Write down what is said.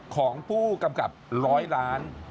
ของผู้กำกับร้อยล้าน